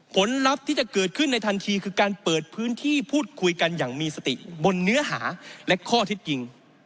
ลัพธ์ที่จะเกิดขึ้นในทันทีคือการเปิดพื้นที่พูดคุยกันอย่างมีสติบนเนื้อหาและข้อเท็จจริง